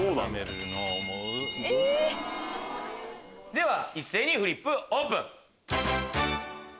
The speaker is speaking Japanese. では一斉にフリップオープン！